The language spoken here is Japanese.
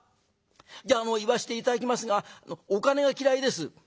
じゃあ言わして頂きますがお金が嫌いです」。